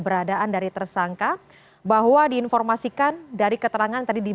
jalan proklamasi jakarta pusat